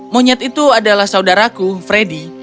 monyet itu adalah saudaraku freddy